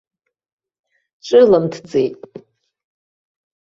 Ҿылымҭӡеит.